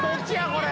これ。